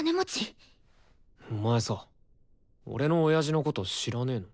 お前さ俺の親父のこと知らねの？